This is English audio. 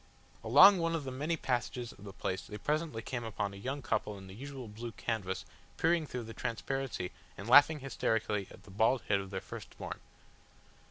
Along one of the many passages of the place they presently came upon a young couple in the usual blue canvas peering through the transparency and laughing hysterically at the bald head of their first born.